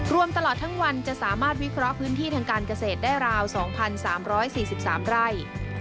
รวมตลอดทั้งวันจะสามารถวิเคราะห์พื้นที่ทางการเกษตรได้ราว๒๓๔๓ไร่